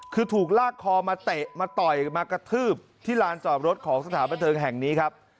คือถูกลากคอมาเตะมาต่อยมากระทืบที่ลานจอดรถของสถานบันเทิงแห่งนี้ครับ